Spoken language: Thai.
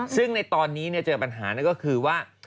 ซึ่งตอนนี้เจอปัญหาคือว่า